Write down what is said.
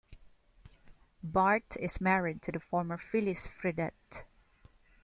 Bart is married to the former Phyllis Fredette.